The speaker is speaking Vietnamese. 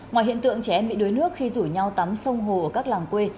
ngoài hiện tượng trẻ em bị đuối nước khi rủ nhau tắm sông hồ ở các làng quê